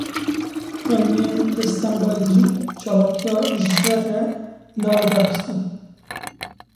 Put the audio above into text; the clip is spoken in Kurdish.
Ukrayniyên li Stenbolê dijîn, çalakiya ji şer re na li darxistin.